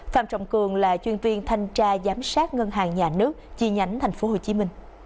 phạm trọng cường là chuyên viên thanh tra giám sát ngân hàng nhà nước chi nhánh tp hcm